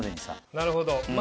なるほど。